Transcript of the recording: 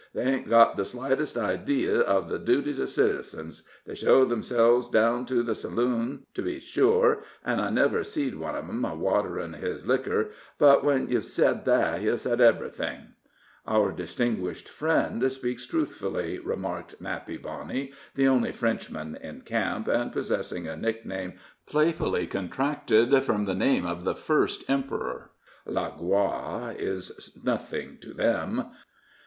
"They ain't got the slightest idee of the duties of citizens. They show themselves down to the saloon, to be sure, an' I never seed one of 'em a waterin.' his liquor; but when you've sed that, you've sed ev'rythin'." "Our distinguished friend, speaks truthfully," remarked Nappy Boney, the only Frenchman in camp, and possessing a nickname playfully contracted from the name of the first emperor. "La gloire is nothing to them.